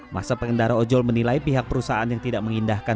masa pengendara ojol menilai pihak perusahaan yang tidak mengindahkan